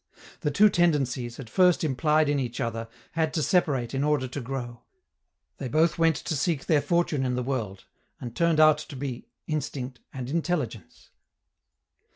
The two tendencies, at first implied in each other, had to separate in order to grow. They both went to seek their fortune in the world, and turned out to be instinct and intelligence.